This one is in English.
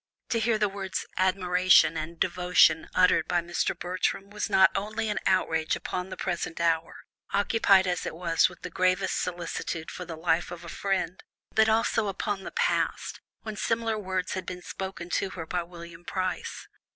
To hear the words "admiration" and "devotion" uttered by Mr. Bertram was not only an outrage upon the present hour, occupied as it was with the gravest solicitude for the life of a friend, but also upon the past, when similar words had been spoken to her by William Price.